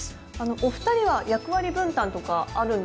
お二人は役割分担とかあるんですか？